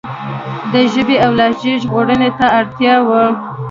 د ژبې او لهجو ژغورنې ته اړتیا وه.